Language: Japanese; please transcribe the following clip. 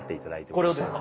これをですか？